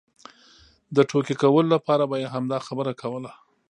د ټوکې کولو لپاره به یې همدا خبره کوله.